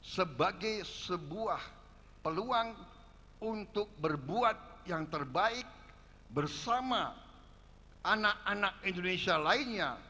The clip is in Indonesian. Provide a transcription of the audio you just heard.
sebagai sebuah peluang untuk berbuat yang terbaik bersama anak anak indonesia lainnya